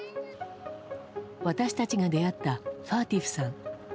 私たちが出会ったファーティフさん。